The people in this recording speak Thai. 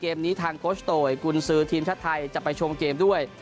นี้ทางโคชโตยกุลซื้อทีมชาติไทยจะไปชมเกมด้วย